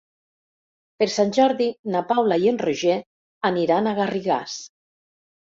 Per Sant Jordi na Paula i en Roger aniran a Garrigàs.